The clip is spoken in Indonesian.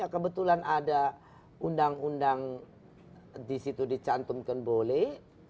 kebetulan ada undang undang disitu dicantumkan boleh